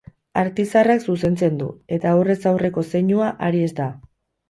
Artizarrak zuzentzen du, eta aurrez aurreko zeinua Aries da.